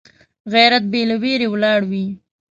غیرت بې له ویرې ولاړ وي